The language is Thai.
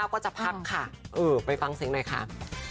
ก็จะพักค่ะไปฟังเสียงหน่อยค่ะ